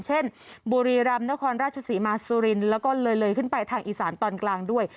เช่นบุรีรำนครราชศรีมาสุรินทร์แล้วก็เลยเลยขึ้นไปทางอีสานตอนกลางด้วย